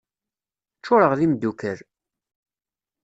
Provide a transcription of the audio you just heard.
Ččureɣ d imeddukal.